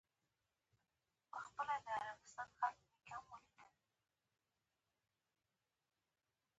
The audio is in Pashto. راکټ د مایکروسیسټمونو مرسته غواړي